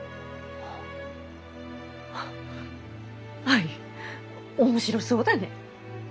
アイ面白そうだね。